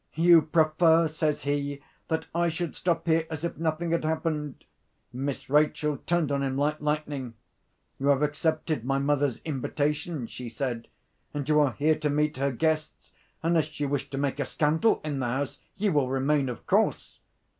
'You prefer,' says he, 'that I should stop here as if nothing had happened?' Miss Rachel turned on him like lightning. 'You have accepted my mother's invitation,' she said; 'and you are here to meet her guests. Unless you wish to make a scandal in the house, you will remain, of course!